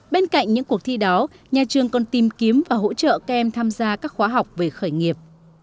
bên cạnh những cuộc thi đó nhà trường còn tìm kiếm và hỗ trợ các em tham gia các khóa học về khởi nghiệp